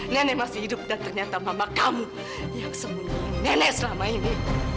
nenek masih hidup dan ternyata mama kamu yang sembuh nenek selama ini